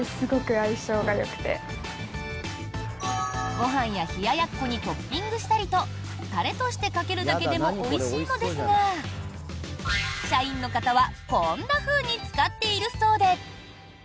ご飯や冷奴にトッピングしたりとタレとしてかけるだけでもおいしいのですが社員の方は、こんなふうに使っているそうで。